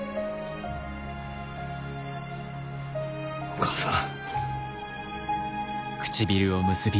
お義母さん。